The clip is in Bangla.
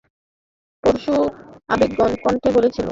পরশু আবেগঘন কণ্ঠে বলছিলেন, পরের বছর আবার রোলাঁ গারোয় ফিরে আসবেন।